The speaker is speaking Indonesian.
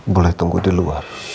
boleh tunggu di luar